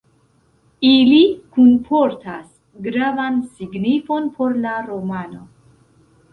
Ili kunportas gravan signifon por la romano.